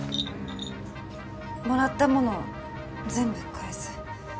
もらったもの全部返す。